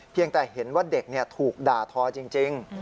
เพียงแต่เห็นว่าเด็กนี่ถูกด่าทอจริง